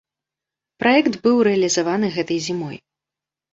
Праект быў рэалізаваны гэтай зімой.